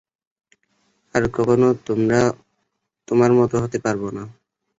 আর কখনো তোমার মতো হতে পারব না!